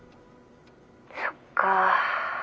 そっか。